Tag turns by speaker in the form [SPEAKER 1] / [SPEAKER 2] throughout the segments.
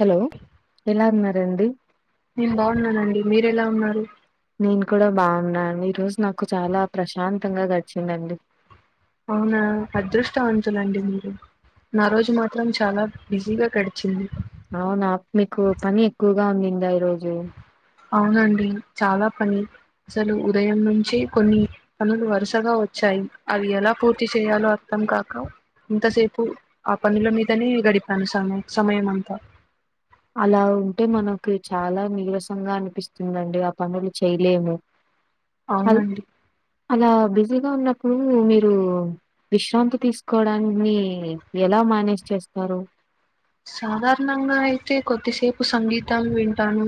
[SPEAKER 1] Hello ఎలా ఉన్నారండి
[SPEAKER 2] నేను బాగున్నానండి మీరు ఎలా ఉన్నారు
[SPEAKER 1] నేను కూడా బాగున్నా నండి ఈ రోజు నాకు చాలా ప్రశాంతంగా గడిచిందండి
[SPEAKER 2] అవునా అదృష్టవంతులండి మీరు నా రోజు మాత్రం చాలా బిజీగా గడిచింది
[SPEAKER 1] గామ్ నిందా ఈ రోజు
[SPEAKER 2] అవునండి చాలా పని అసలు ఉదయం నుంచి కొన్ని పనులు వరుసగా వ చ్చాయ్ అవి ఎలా పూర్తి చేయాలో అర్థం కాక ఇంతసేపు ఆ పనుల మీదనే గడిపాను సమయం సమయం అంతా
[SPEAKER 1] అలా ఉంటే మనకు చాలా నీరసంగా అనిపిస్తుందండి ఆ పనులు చేయలేము అల్
[SPEAKER 2] అవునండి
[SPEAKER 1] అలా బిజీగా ఉన్నప్పుడు మీరు విశ్రాంతి తీసుకోవడాన్ని ఎలా మానేజ్ చేస్తారు
[SPEAKER 2] సాధారణంగా అయితే కొద్దిసేపు సంగీతం వింటాను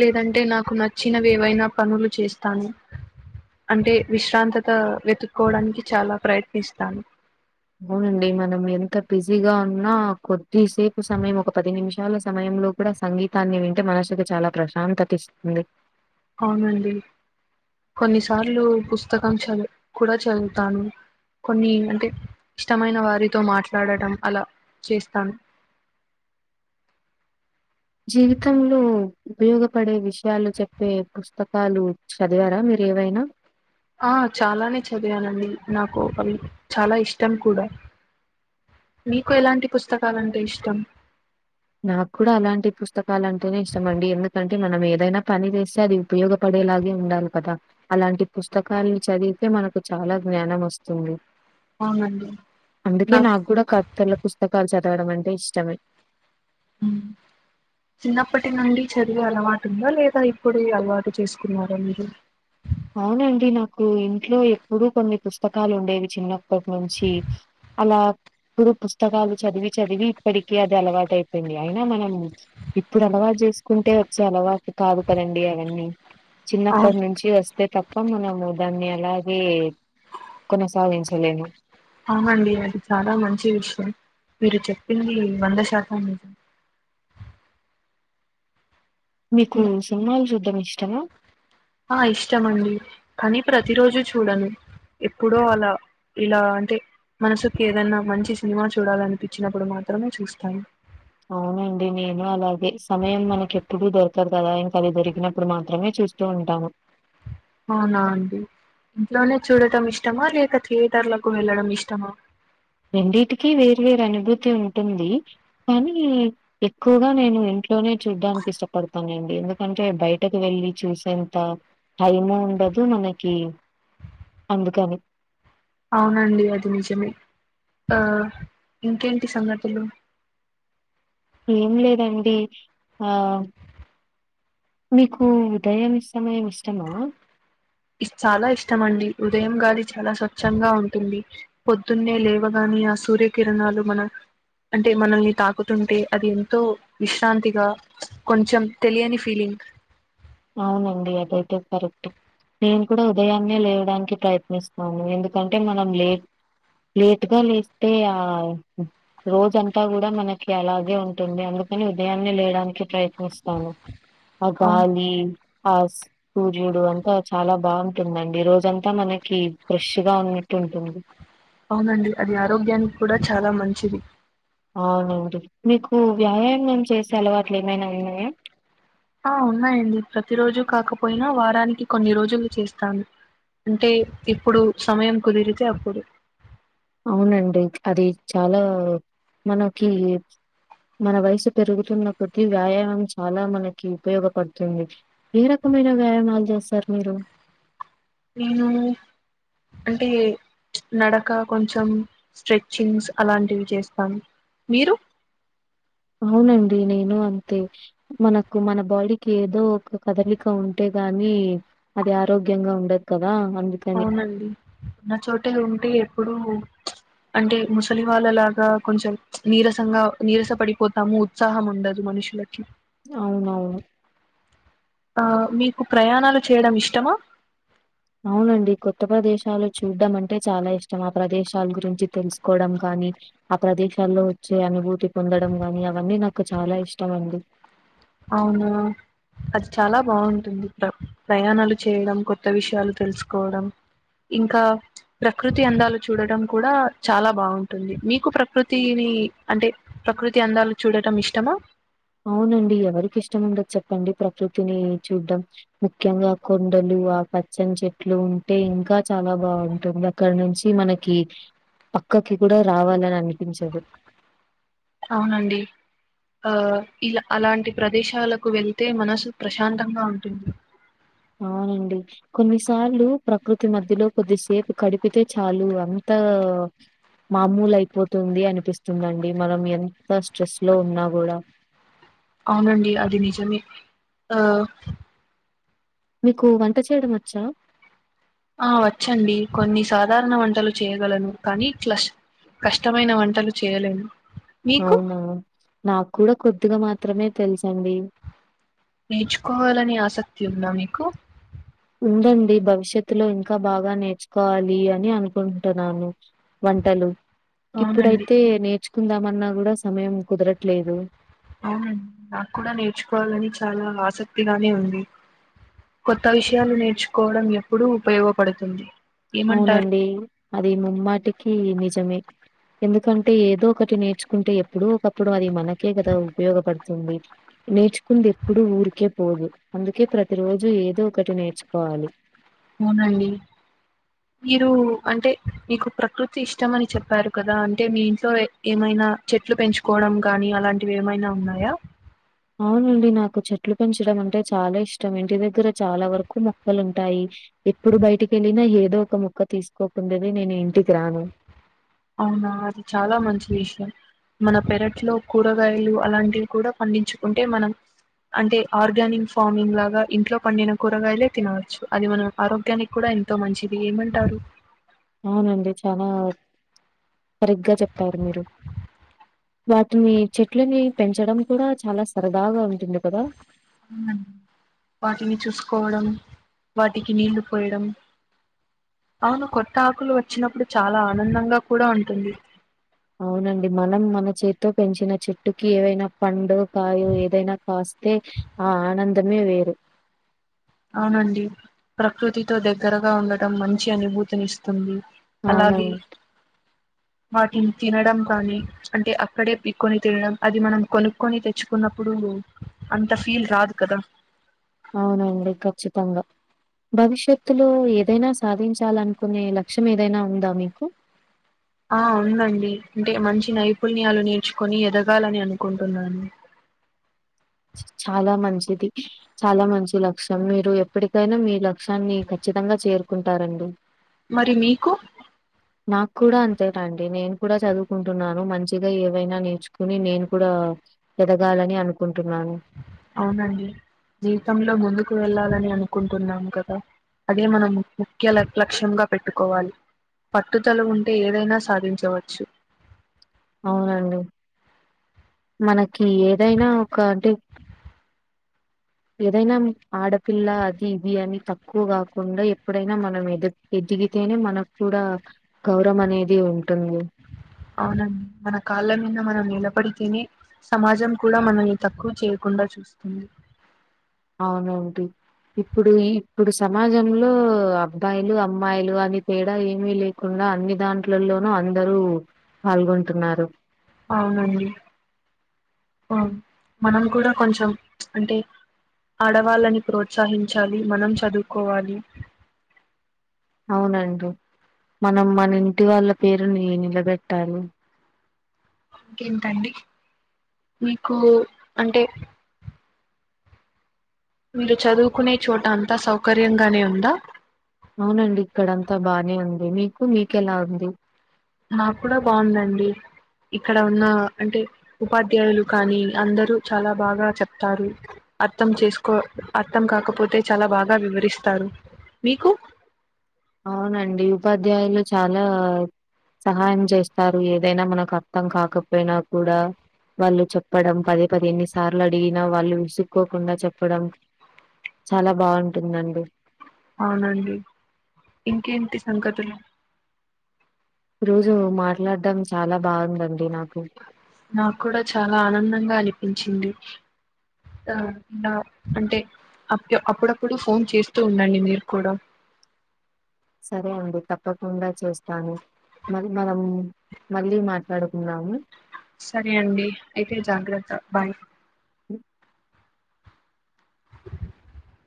[SPEAKER 2] లేదంటే నాకు నచ్చినవి ఏవైనా పనులు చేస్ టాను అంటే విశ్రాంతత వెతుక్కోవడానికి చాలా ప్రయత్నిస్తాను
[SPEAKER 1] బిజి గా ఉన్నా కొద్దిసేపు సమయం ఒక పది నిమిషాల సమయంలో కూడా సంగీతాన్ని వింటే మనసుకి చాలా ప్రశాంతత ఇస్తుంది
[SPEAKER 2] అవునండి కొన్నిసార్లు పుస్తకం చదువ్ కూడా చదువుతాను కొన్ని అంటే ఇష్టమైన వారితో మాట్లాడటం అలా చేస్తాను
[SPEAKER 1] జీవితంలో ఉపయోగపడే విషయాలు చెప్పే పుస్తకాలు చదివారా మీరు ఏవైనా
[SPEAKER 2] ఆ చాలానే చదివానండి నాకు అవి చాలా ఇష్టం కూడా నీకు ఎలాంటి పుస్తకాలంటే ఇష్టం
[SPEAKER 1] నాకు కూడా అలాంటి పుస్తకాలు అంటేనే ఇష్టం అండి ఎందుకంటే మనం ఏదైనా పని వేస్తే అది ఉపయోగపడ ఇలాగే ఉండాలి కదా అలాంటి పుస్తకాలని చదివితే మనకు చాలా జ్ఞానం వస్తుంది
[SPEAKER 2] అవునండి
[SPEAKER 1] అందుకే నాకు కూడా కథల పుస్తకాలు చది చదవడం అంటే ఇష్టమే
[SPEAKER 2] హ చిన్నప్పటి నుండి చదివే అలవాటు ఉందా లేదా ఇప్పుడే అలవాటు చేసుకున్నార మీరు
[SPEAKER 1] అవునండి నాకు ఇంట్లో ఎప్పుడూ కొన్ని పుస్తకాలు ఉండేవి చిన్నప్పటి నుంచి అలా ఇప్పుడు పుస్తకాలు చదివి చదివి ఇప్పటికి అది అలవాటు అయిపోయింది అయినా మనం ఇప్పుడు అలవాటు చేసుకుంటే వచ్చే అలవాటు కాదండి అవన్నీ
[SPEAKER 2] అవు
[SPEAKER 1] చిన్నప్పటి నుంచి వస్ తప్ప మనము దాన్ని అలాగే కొనసాగించలేము
[SPEAKER 2] అవునండి అది చాలా మంచి విషయం మీరు చెప్పింది వంద శాతం మీద
[SPEAKER 1] మీకు
[SPEAKER 2] ఇంకే
[SPEAKER 1] సినిమాలు చూడ్డమ్ ఇష్టమా
[SPEAKER 2] ఆ ఇష్టమండి కానీ ప్రతిరోజు చూడను ఎప్పుడో అలా ఇలా అంటే మనసుకి ఏదైనా మంచి సినిమా చూడాలనిపించినప్పుడు మాత్రమే చూస్తాను
[SPEAKER 1] అవునండి నేను అలాగే సమయం మనకేప్పుడూ దొరకదు కదా ఇంక అది దొరికినప్పుడు మాత్రమే చూస్తూ ఉంటాము
[SPEAKER 2] అవునా అండి ఇంట్లోనే చూడటం ఇష్టమా లేక థియేటర్లకు వెళ్ళడం ఇష్టమా
[SPEAKER 1] రెండిటికీ వేరు వేరు అనుభూతి ఉంటుంది కానీ ఎక్కువగా నేను ఇంట్లోనే చూడ్డానికి ఇష్టపడతానండి ఎందుకంటే బయటకు వెళ్ళి చూసేంత టైము ఉండ డదు మనకి అందుకని
[SPEAKER 2] అవునండి అది నిజమే ఆ ఇంకేంటి సంగతులు
[SPEAKER 1] ఏం లేదండి ఆ మీకు ఉదయం సమయం ఇష్టమా
[SPEAKER 2] చాలా ఇష్టంమండి ఉదయం గాలి చాలా స్వచ్ఛంగా ఉంటుంది పొద్దున్నే లేవగా ఆ సూర్యకిరణాలు మనం అంటే మనల్ని తాకుతుంటే అది ఎంతో విశ్రాంతిగా కొంచెం తెలియని ఫీలింగ్
[SPEAKER 1] అవునండి. అదైతే కరెక్ట్ నేను కూడా ఉదయాన్నే లేవడానికి ప్రయత్నిస్తాను ఎందుకంటే మనం లేట్ లేట్గా లేస్తే ఆ రోజంతా కూడా మనకి అలాగే ఉంటుంది అందు నేను ఉదయాన్నే లేయడానికి ప్రయత్నిస్తాను ఆ
[SPEAKER 2] అవును
[SPEAKER 1] గాలి ఆ సూర్యుడు అంతా చాలా బాగుంటుందండి ఈ రోజంతా మనకి ఫ్రెష్గా ఉన్న టుంటుంది
[SPEAKER 2] అవునండి అది ఆరోగ్యానికి కూడా చాలా మంచిది
[SPEAKER 1] అవునండి మీకు వ్యాయామం చేసే అలవాట్లు ఏమైనా ఉన్నాయా
[SPEAKER 2] ఆ ఉన్నాయండి ప్రతి రోజు కాకపోయినా వారానికి కొన్ని రోజులు చేస్తాను అంటే ఇప్పుడు సమయం కుదిరితే అప్పుడు
[SPEAKER 1] అవునండి అది చాలా మనకి మన వయసు పెరుగుతున్న కొద్ది వ్యాయామం చాలా మనకి ఉపయోగపడుతుంది ఏ రకం మైన వ్యాయామాలు చేస్తారు మీరు
[SPEAKER 2] నేను అంటే చ్ ఏంనడక కొంచెం స్ట్రెచింగ్స్ అలాంటివి చేస్తాం మీరు
[SPEAKER 1] అవునండి నేను అంతే మనకు మన బాడీకి ఏదో ఒక కదలిక ఉంటే గాని నీ అది ఆరోగ్యంగా ఉండదు కదా అందుకని.
[SPEAKER 2] అవునండి ఉన్న చోటే ఉంటే ఎప్పుడు అంటే ముసలి వాళ్ళలాగా కొంచెం నీరసంగా నీరస పడిపోతాము ఉత్సాహం ఉండదు మనషులకి
[SPEAKER 1] అవునవును
[SPEAKER 2] ఆ మీకు ప్రయాణాలు చేయడం ఇష్టమా
[SPEAKER 1] అవునండి కొత్త ప్రదేశాలు చూడ్డం అంటే చాలా ఇష్టం ఆ ప్రదేశాల గురించి తెలుసుకోవడం కానీ ఆ ప్రదేశాల్లో వచ్చే అనుభూతి పొందడం గాని అవన్నీ నాకు చాలా ఇష్టం అండి
[SPEAKER 2] అవునా అది చాలా బాగుంటుంది ప్ర ప్రయాణాలు చేయడం కొత్త విషయాలు తెలుసుకోవడం ఇంకా ప్రకృతి అందాలు చూడడం కూడా చాలా బాగుంటుంది మీకు ప్రకృతిని అంటే ప్రకృతి అందాలు చూడటం ఇష్టమా
[SPEAKER 1] అవునండి ఎవరికి ఇష్టం ఉండదు చెప్పండి ప్రకృతిని చూడ్డం ముఖ్యంగా కొండలు ఊ ఆ పచ్చని చెట్లు ఉంటే ఇంకా చాలా బాగుంటుంది అక్కడ నుంచి మనకి పక్కకి కూడా రావాలని అనిపించదు
[SPEAKER 2] అవునండి ఆ ఇలా అలాంటి ప్రదేశాలకు వెళ్తే మనసు ప్రశాంతంగా ఉంటుంది
[SPEAKER 1] అవునండి కొన్నిసార్లు ప్రకృతి మధ్యలో కొద్దిసేపు గడిపితే చాలు అంత అవ్ మామూలు అయిపోతుంది అనిపిస్తుందండి మనం ఎంత స్ట్రెస్ లో ఉన్నా కూడా [inaudible]
[SPEAKER 2] అవునండి అది నిజమే ఆ
[SPEAKER 1] మీకు వంట చేయడం వచ్చా
[SPEAKER 2] ఆ వచ్చండి కొన్ని సాధారణ వంటలు చేయగలను కానీ క్లష్ కష్టమైన వంటలు చేయలేను మీకు
[SPEAKER 1] అవునా నాకు కూడా కొద్దిగా మాత్రమే తెలుసు అండి
[SPEAKER 2] నేర్చుకోవాలని ఆసక్తి ఉంద మీకు
[SPEAKER 1] ఉందండి భవిష్యత్తు లో ఇంకా బాగా నేర్చుకోవాలి అని అనుకుంటున్నాను వంటలు
[SPEAKER 2] అవునండి
[SPEAKER 1] ఇప్పుడైతే నేర్చుకుందామన్నా కూడా సమయం కుదరట్లేదు
[SPEAKER 2] అవునండి నాకు కూడా నేర్చుకోవాలని చాలా ఆసక్తిగానే ఉంది కొత్త విషయాలు నేర్చుకోవడం ఎప్పుడూ ఉపయోగపడుతుంది ఏమంటారు
[SPEAKER 1] అవునండి అది ముమ్మాటికి నిజమే ఎందుకంటే ఏదో ఒకటి నేర్చుకుంటే ఎప్పుడో ఒకప్పుడు అది మనకే కదా ఉపయోగపడుతుంది నేర్చుకుంది ఎప్పుడు ఊరికే పోదు అందుకే ప్రతి రోజు ఏదో ఒకటి నేర్చుకోవాలి
[SPEAKER 2] అవునండి మీరు అంటే మీకు ప్రకృతి ఇష్టం అని చెప్పారు కదా అంటే మీ ఇంట్లో ఏమైనా చెట్లు పెంచుకోవడం కానీ అలాంటివి ఏమైనా ఉన్నాయా
[SPEAKER 1] అవునండి నాకు చెట్లు పెంచడం అంటే చాలా ఇష్టం ఇంటి దగ్గర చాలా వరకు మొక్కలుంటాయి ఎప్పుడు బయటికి వెళ్ళినా ఏదో ఒక మోక్క తీసుకోకుండా నేను ఇంటికి రాను
[SPEAKER 2] అవునా అది చాలా మంచి విషయం మన పెరట్లో కూరగాయలు అలాంటివి కూడా పండించుకుంటే మనం అంటే ఆర్గానిక్ ఫార్మింగ్ లాగా ఇంట్లో పండిన కూరగాయలే తినవచ్చు అది మన ఆరోగ్యానికి కూడా ఎంతో మంచిది ఏమంటారు
[SPEAKER 1] అవునండి చానా సరిగ్గా చెప్తారు మీరు వాటిని చెట్లని పెంచడం కూడా చాలా సరదాగా ఉంటుంది కదా
[SPEAKER 2] ఉండండి వాటిని చూసుకోవడం వాటికి నీళ్లు పోయడం అవును కొత్త ఆకులు వచ్చినప్పుడు చాలా ఆనందంగా కూడా
[SPEAKER 1] ఆ
[SPEAKER 2] ఉంటుంది
[SPEAKER 1] అవునండి మనం మన చేత్తో పెంచిన చెట్టుకి ఏవైనా పండు కాయో ఏదైనా కాస్తే ఆ ఆనందమే వేరు [inaudible]
[SPEAKER 2] అవునండి ప్రకృతితో దేగ్గరగా ఉండటం మంచి అనుభూతిని ఇస్తుంది
[SPEAKER 1] అవునవును
[SPEAKER 2] వాటిని తినడం కాని అంటే అక్కడే పీక్కొని తినడం అది మనం కొనుక్కొని తెచ్చుకున్న ప్పుడు అంత ఫీల్ రాదు కదా
[SPEAKER 1] అవునండి. ఖచ్చితంగా భవిష్యత్తులో ఏదైనా సాధించాలనుకునే లక్ష్యం ఏదైనా ఉందా మీకు
[SPEAKER 2] ఆ ఉందండి అంటే మంచి నైపుణ్యాలు నేర్చుకుొని ఎదగాలని అనుకుంటున్నాను
[SPEAKER 1] చాలా మంచిది చాలా మంచి లక్ష్యం మీరు ఎప్పటికైనా మీ లక్ష్యాన్ని ఖచ్చి తంగా చేరుకుంటారండి
[SPEAKER 2] మరి మీకు
[SPEAKER 1] నాకు కూడా అంతేనండి నేను కూడా చదువుకుంటున్నాను మంచిగా ఏవైనా నేర్చుకుని నేను కూడా ఎదగాలని అనుకుం
[SPEAKER 2] అవునండి జీవితంలో ముందుకు వెళ్ళాలని అనుకు కుంటున్నాం కదా అదే మనం ముఖ్య లక్ లక్ష్యంగా పెట్టుకోవాలి పట్టుదల ఉంటే ఏదైనా సాధించవచ్చు
[SPEAKER 1] అవునండి మనకి ఏదైనా ఒక అంటే ఏదైనా ఆడపిల్ల అది ఇది అని తక్కువ కాకుండా ఎప్పుడైనా మనం ఎద ఎదిగి తేనే మనకు కూడా గౌరం అనేది ఉంటుంది
[SPEAKER 2] మనం మన కాళ్ళ మీద మనం నిలబడితేనే సమాజం కూడా మననీ తక్కువ చేయకుండా చూస్తుంది
[SPEAKER 1] అవునంటి ఇప్పుడు ఇప్పుడు సమాజంలో అబ్బాయిలు అమ్మాయిలు అని తేడా ఏమీ లేకుం డా అన్ని దాంట్లలోనూ అందరూ పాల్గొంటున్నారు
[SPEAKER 2] అవునండి ఓ మనం కూడా కొంచెం అంటే ఆడవాళ్ళని ప్రోత్సహించాలి మనం చదువుకోవాలి
[SPEAKER 1] [inaudible] అవునండి మనం మన ఇంటి వాళ్ళ పేరుని నిలబెట్టారుి
[SPEAKER 2] ఇంకేంటండి మీకు అంటే మీరు చదువుకునే చోట అంతా సౌకర్యంగానే ఉందా
[SPEAKER 1] అవునండి ఇక్కడ అంతా బానే ఉంది మీకు మీకెలా ఉంది
[SPEAKER 2] నాకు కూడా బాదండి ఇక్కడ ఉన్న అంటే ఉపాధ్యాయులు కానీ అందరు చాలా బాగా చెప్తారు అర్థం చేసుకో అర్థం కాకపోతే చాలా బాగా వివరిస్తారు మీకు
[SPEAKER 1] అవునండి ఉపాధ్యాయులు చాలా సహాయం చేస్తారు ఏదైనా మనకు అర్థం కాకపోయినా కూడా వాళ్ళు చెప్పడం పదే పదే ఎన్ని సార్లు అడిగినా వాళ్ళు విసుక్కోకుండా చెప్పడం చాలా బాగుంటుందండి
[SPEAKER 2] అవునండి ఇంకేంటి సంగతులు
[SPEAKER 1] ఈ రోజు మాట్లాడడం చాలా బాగుందండి నాకు
[SPEAKER 2] నాకు కూడా చాలా ఆనందంగా అనిపించింది ఆ ఇలా అంటే అప్పు అప్పుడ్ అప్పుడు ఫోన్ చేస్తూ ఉండండి మీరు కూడా
[SPEAKER 1] సరే అండి తప్పకుండా చేస్తాను మరి మనం మళ్ళీ మాట్లాడుకున్నాము
[SPEAKER 2] సరే అండి అయితే జాగ్రత్త బాయ్
[SPEAKER 1] అ
[SPEAKER 2] [inaudible]